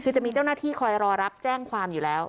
คือจะมีเจ้าหน้าที่คอยรอรับแจ้งความอยู่แล้ว